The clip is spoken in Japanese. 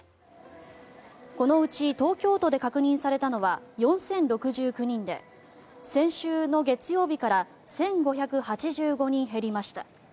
このうち東京都で確認されたのは４０６９人で先週の月曜日から１５８５人減りました。